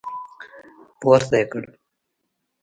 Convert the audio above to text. پورته يې کړ.